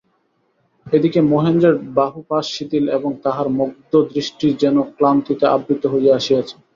এ দিকে মহেন্দ্রের বাহুপাশ শিথিল এবং তাহার মুগ্ধদৃষ্টি যেন ক্লান্তিতে আবৃত হইয়া আসিয়াছে।